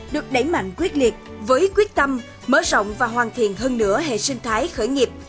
được đẩy mạnh quyết liệt với quyết tâm mở rộng và hoàn thiện hơn nửa hệ sinh thái khởi nghiệp